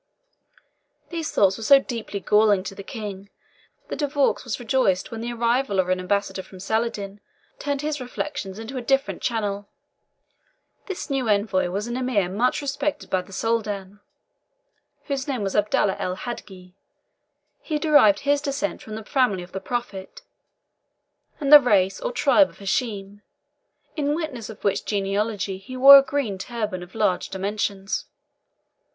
These thoughts were so deeply galling to the King, that De Vaux was rejoiced when the arrival of an ambassador from Saladin turned his reflections into a different channel. This new envoy was an Emir much respected by the Soldan, whose name was Abdallah el Hadgi. He derived his descent from the family of the Prophet, and the race or tribe of Hashem, in witness of which genealogy he wore a green turban of large dimensions.